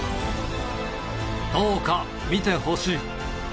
どうか見てほしい。